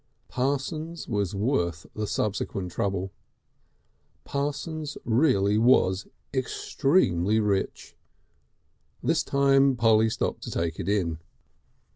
Parsons was worth the subsequent trouble. Parsons really was extremely rich. This time Polly stopped to take it in.